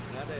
nggak ada ya